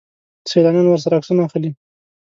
سیلانیان ورسره عکسونه اخلي.